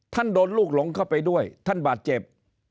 โดนลูกหลงเข้าไปด้วยท่านบาดเจ็บ